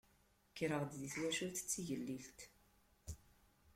Kkreɣ deg twacult d tigellilt.